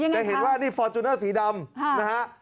จะเห็นว่านี่ฟอร์จูเนอร์สีดำนะฮะ